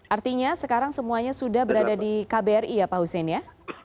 artinya sekarang semuanya sudah berada di kbri ya pak hussein ya